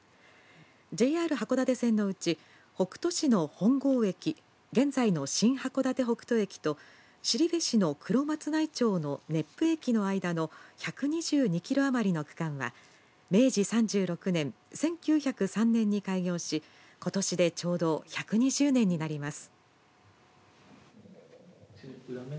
ＪＲ函館線のうち北斗市の本郷駅現在の新函館北斗駅と後志の黒松内町の熱郛駅の間の１２２キロ余りの区間は明治３６年１９０３年に開業しことしでちょうど１２０年になります。